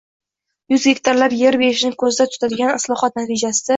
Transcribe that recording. yuz gektarlab yer berishni ko‘zda tutadigan islohot natijasida